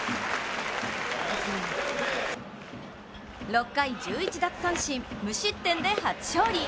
６回１１奪三振、無失点で初勝利。